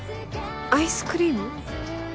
アイスクリーム？